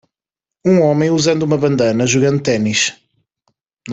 Um homem usando uma bandana jogando tênis.